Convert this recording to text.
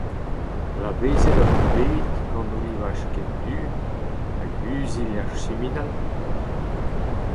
Labezet oc’h-hu bet gant o livaj ken du hag huzil ar chiminal ?